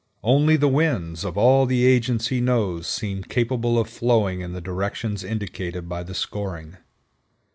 Only the winds of all the agents he knows seem capable of flowing in the directions indicated by the scoring.